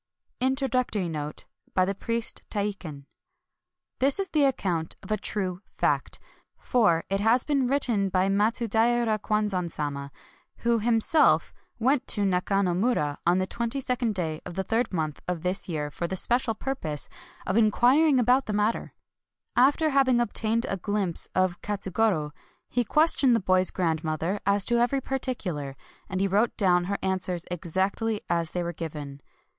4. — (Introductory Note by the Priest Teikin.) This is the account of a true fact ; for it has been written by JVIatsudaira Kwanzan Sama, who himself went [to Nakano murcu] on the twenty second day of the third month of this year for the special purpose of inquiring about the matter. THE REBIRTH OF KATSUGORO 273 After having obtained a glimpse of Katsugoro, he questioned the boy's grandmother as to every par ticular ; and he wrote down her answers exactly as they were given.